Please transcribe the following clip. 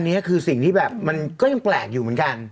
อันนี้คือสิ่งที่แบบมันก็ยังแปลกอยู่เหมือนกัน